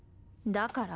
だから？